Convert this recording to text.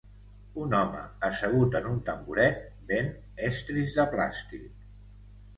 Un home assegut en un tamboret ven estris de plàstic.